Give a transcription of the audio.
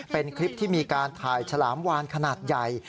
เป็นคลิปที่มีการถ่ายฉลามวานขนาดใหญ่